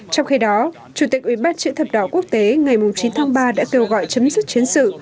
trong khi đó chủ tịch ubnd chữ thập đỏ quốc tế ngày chín tháng ba đã kêu gọi chấm dứt chiến sự